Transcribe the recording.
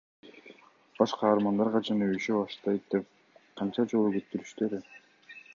Баш каармандар качан өбүшө баштайт деп канча жолу күттүрүштү эле?